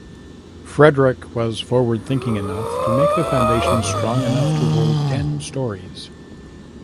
Frederick was forward-thinking enough to make the foundation strong enough to hold ten stories.